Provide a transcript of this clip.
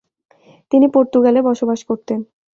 তিনি পর্তুগালে বসবাস করতেন।